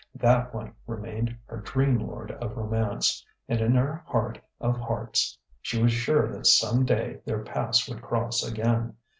That One remained her dream lord of romance. And in her heart of hearts she was sure that some day their paths would cross again.